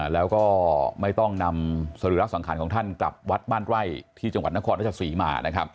แล้วก็ไม่ต้องนำสรือรักษ์สังขารของท่านกลับวัดบ้านไว้ที่จังหวัดนครรภ์นักศึกษีมา